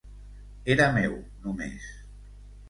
Era meu, només.